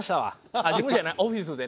あっオフィスで。